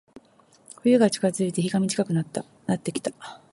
冬が近づいて、日が短くなってきた。